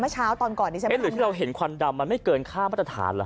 เมื่อเช้าตอนก่อนดิฉันไม่รู้ที่เราเห็นควันดำมันไม่เกินค่ามาตรฐานเหรอ